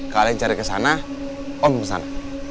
kalian cari kesana om kesana